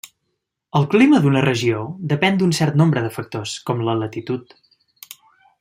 El clima d'una regió depèn d'un cert nombre de factors, com la latitud.